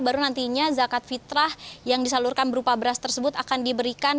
baru nantinya zakat fitrah yang disalurkan berupa beras tersebut akan diberikan